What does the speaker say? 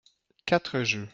Quatre jeux.